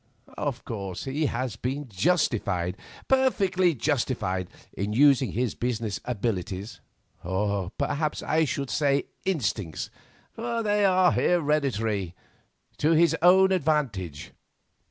Of course, he has been justified, perfectly justified, in using his business abilities—or perhaps I should say instincts, for they are hereditary—to his own advantage.